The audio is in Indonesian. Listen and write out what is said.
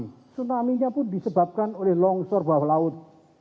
tsunaminya pun disebabkan oleh longsor bawah laut